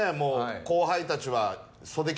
後輩たちは。